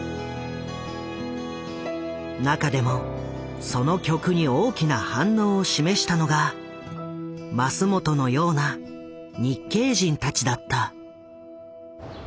中でもその曲に大きな反応を示したのがマスモトのような日系人たちだった。